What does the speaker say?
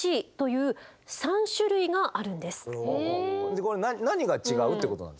でこれ何が違うってことなんですか？